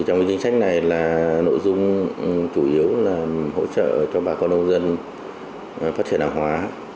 trong chính sách này là nội dung chủ yếu là hỗ trợ cho bà con nông dân phát hiện hàng hóa